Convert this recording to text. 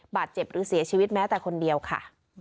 บาดเจ็บหรือเสียชีวิตแม้แต่คนเดียวค่ะ